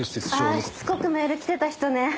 あぁしつこくメール来てた人ね。